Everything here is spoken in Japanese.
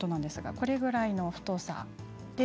これぐらいの太さです。